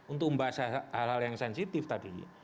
untuk membahas hal hal yang sensitif tadi